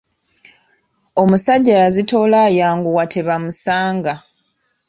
Omusajja yazitoola ayanguwa tebamusanga.